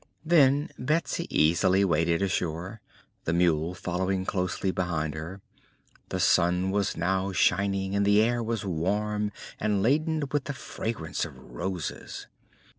Then Betsy easily waded ashore, the mule following closely behind her. The sun was now shining and the air was warm and laden with the fragrance of roses.